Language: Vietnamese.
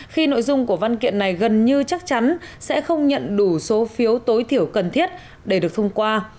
khi nội dung của văn kiện này gần như chắc chắn sẽ không nhận đủ số phiếu tối thiểu cần thiết để được thông qua